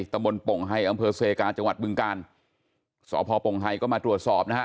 ตะมนต์โป่งไฮอำเภอเซกาจังหวัดบึงกาลสพปงไฮก็มาตรวจสอบนะฮะ